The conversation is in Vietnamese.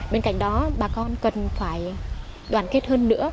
bên cạnh đó bà con cần phải đoàn kết hơn nữa